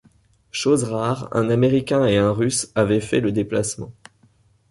Chose rare, un Américain et un Russe avaient fait le déplacement.